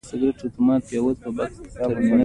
په ده ځکه ددې غوښې بوی بد لګي.